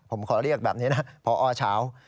ผมขอเรียกแบบนี้นะพอเช้า